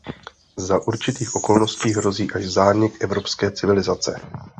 Za určitých okolností hrozí až zánik evropské civilizace.